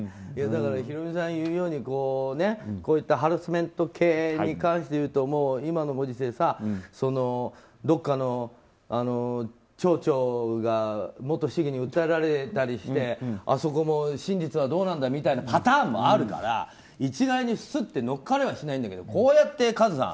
ヒロミさんが言うようにこういったハラスメント系に関して言うともう今のご時世、どこかの町長が元市議に訴えられたりしてあそこも真実はどうなんだみたいなパターンもあるから一概に乗っかれはしないんだけどこうやって和津さん